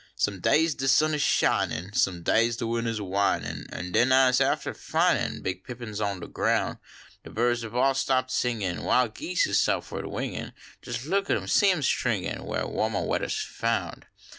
Some days de sun is shinin , Some days de win is whinin , An den Ise after fin in Rig pippins on de groun ; De birds hab all stopped singin , \YiP geese is soufward wiugin , Jes look an see em stringin Whar wannah weddah s foun .